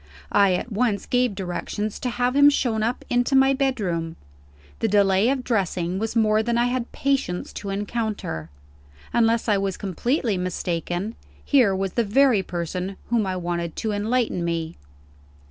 I at once gave directions to have him shown up into my bedroom. The delay of dressing was more than I had patience to encounter. Unless I was completely mistaken, here was the very person whom I wanted to enlighten me.